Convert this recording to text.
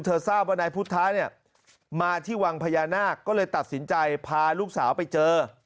ทราบว่านายพุทธะเนี่ยมาที่วังพญานาคก็เลยตัดสินใจพาลูกสาวไปเจอ